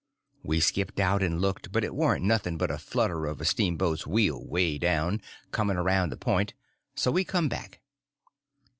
We skipped out and looked; but it warn't nothing but the flutter of a steamboat's wheel away down, coming around the point; so we come back.